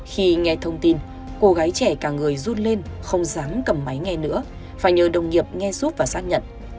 khi nghe thông tin cô gái trẻ cả người rút lên không dám cầm máy ngay nữa phải nhờ đồng nghiệp nghe giúp và xác nhận